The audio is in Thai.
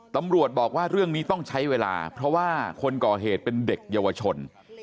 ตำรวจบอกว่าเรื่องนี้ต้องใช้เวลาเพราะว่าคนก่อเหตุเป็นเด็กเยาวชน